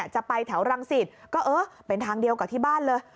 จะไปแถวรังสิตก็เออเป็นทางเดียวกับที่บ้านเลย